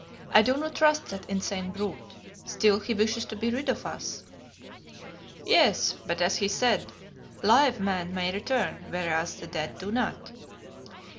"I do not trust that insane brute. Still, he wishes to be rid of us." "Yes, but as he said, live men may return, whereas the dead do not."